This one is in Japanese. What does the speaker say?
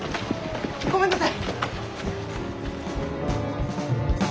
ごめんなさい。